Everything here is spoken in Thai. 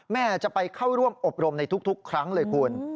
แม่จะไปเข้าร่วมอบรมในทุกครั้งเลยคุณ